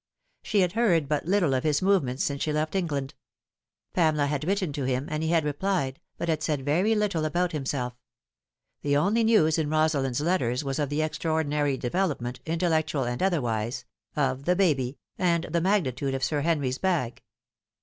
She had heard but little of his movements since she left England. Pamela had written to him, and he had replied, but had said very little about himself. The only naws in Rosalind's letters was of the extraordinary development intellectual and otherwise of the baby, and the magnitude of Bir Henry's bag.